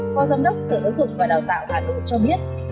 phó giám đốc sở giáo dục và đào tạo hà nội cho biết